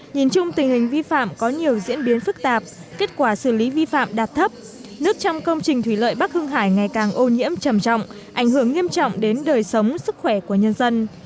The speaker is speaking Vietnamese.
nhìn chung tình hình vi phạm có nhiều diễn biến phức tạp kết quả xử lý vi phạm đạt thấp nước trong công trình thủy lợi bắc hưng hải ngày càng ô nhiễm trầm trọng ảnh hưởng nghiêm trọng đến đời sống sức khỏe của nhân dân